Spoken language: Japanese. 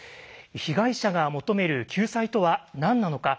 被害者が求める“救済”とは何なのか。